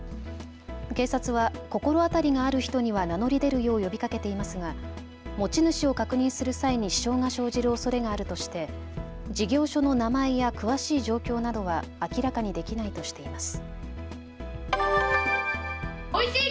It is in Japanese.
警察は心当たりがある人には名乗り出るよう呼びかけていますが持ち主を確認する際に支障が生じるおそれがあるとして事業所の名前や詳しい状況などは明らかにできないとしています。